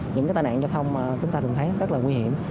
những cái tai nạn cho thông mà chúng ta thường thấy rất là nguy hiểm